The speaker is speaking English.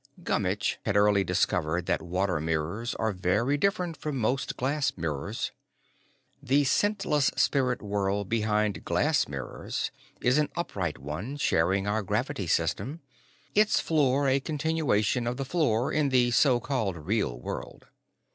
Gummitch had early discovered that water mirrors are very different from most glass mirrors. The scentless spirit world behind glass mirrors is an upright one sharing our gravity system, its floor a continuation of the floor in the so called real world.